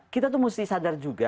kita tuh mesti sadar juga